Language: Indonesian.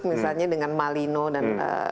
misalnya dengan malino dan